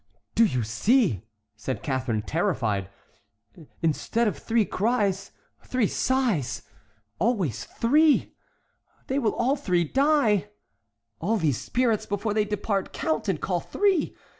"Do you see," said Catharine, terrified, "instead of three cries, three sighs? Always three!—they will all three die. All these spirits before they depart count and call three.